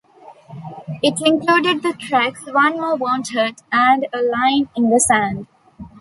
It included the tracks "One More Won't Hurt" and "A Line in the Sand.